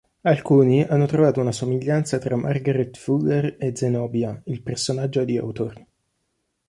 Alcuni hanno trovato una somiglianza tra Margaret Fuller e Zenobia, il personaggio di Hawthorne.